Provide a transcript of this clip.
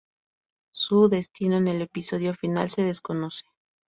Su destino en el episodio final se desconoce.